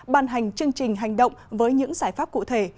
ban hành chương trình hành động với những giải pháp cụ thể